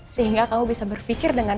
sehingga kamu bisa berpikir dengan